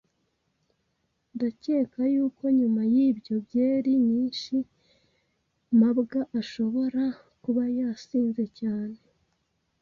Ndakeka yuko nyuma yibyo byeri nyinshi mabwa ashobora kuba yasinze cyane.